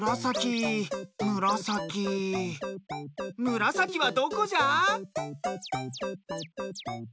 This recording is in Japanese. むらさきはどこじゃ？